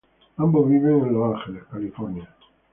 Ambos viven en Los Ángeles, California.